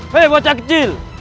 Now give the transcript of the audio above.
hei bocah kecil